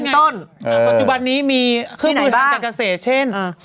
ตอนจุดบันนี้มีแบบเขตเช่นอ่ะ